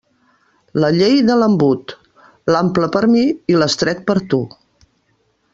La llei de l'embut: l'ample per a mi i l'estret per a tu.